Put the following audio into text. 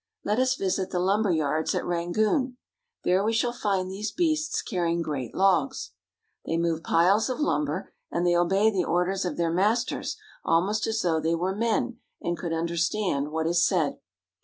Let us visit the lumber yards at Rangoon. There we shall find these beasts carrying great logs. They move piles of lumber, and they obey the orders of Elephant carrying a Beam. their masters almost as though they were men and could understand what is said.